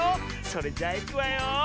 それじゃいくわよ。